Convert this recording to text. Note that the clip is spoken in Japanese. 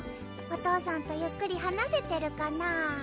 お父さんとゆっくり話せてるかな？